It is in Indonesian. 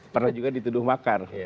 pernah juga dituduh makar